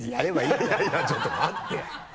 いやいやちょっと待って！